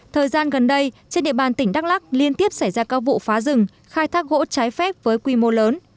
thời gian gần đây trên địa bàn tỉnh đắk lắc liên tiếp xảy ra các vụ phá rừng khai thác gỗ trái phép với quy mô lớn